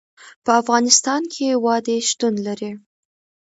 په افغانستان کې وادي شتون لري.